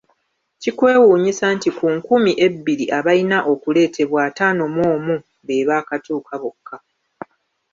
Kikwewuunyisa nti ku nkumi ebbiri abayina okuleetebwa ataano mu omu beebaakatuuka bokka.